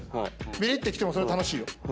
ビリッてきても楽しいよ。